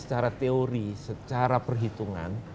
secara teori secara perhitungan